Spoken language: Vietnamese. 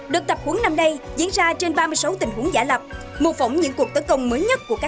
đúng rồi đúng rồi